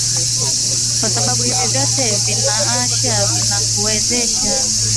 kwa sababu hivi vyote vinaashi vinakuwezesha